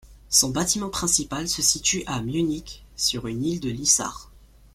Son bâtiment principal se situe à Munich, sur une île de l'Isar.